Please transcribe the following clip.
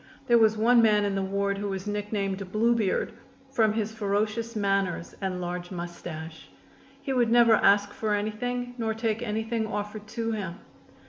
There was one man in the ward who was nicknamed "Blue Beard," from his ferocious manners and large mustache. He would never ask for anything nor take anything offered to him.